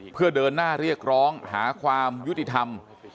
เพื่อเดินหน้าเรียกร้องหาความยุติธรรม